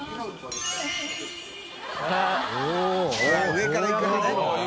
上からいく派ね？